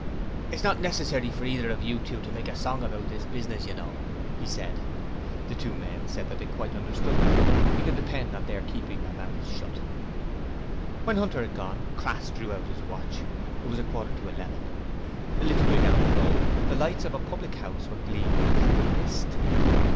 'It's not necessary for either of you to make a song about this business, you know,' he said. The two men said that they quite understood that: he could depend on their keeping their mouths shut. When Hunter had gone, Crass drew out his watch. It was a quarter to eleven. A little way down the road the lights of a public house were gleaming through the mist.